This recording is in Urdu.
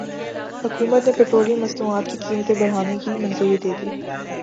حکومت نے پیٹرولیم مصنوعات کی قیمتیں بڑھانے کی منظوری دے دی